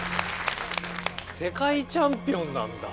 世界チャンピオンなんだ。